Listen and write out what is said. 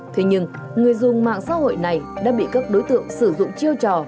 thế nhưng người dùng mạng xã hội này đã bị các đối tượng sử dụng chiêu trò